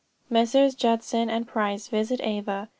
MESSRS. JUDSON AND PRICE VISIT AVA.